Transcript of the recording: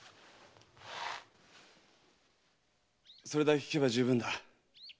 それだけ聞けば十分だ。